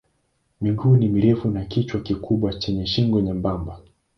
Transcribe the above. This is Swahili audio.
Miguu ni mirefu na kichwa kikubwa chenye shingo nyembamba.